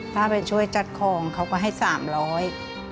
ถ้าไปช่วยจัดของเขาก็ให้สามร้อย